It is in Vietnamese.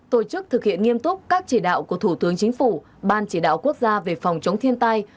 tổ chức thực hiện nghiêm túc các chỉ đạo của thủ tướng chính phủ ban chỉ đạo quốc gia về phòng chống thiên tai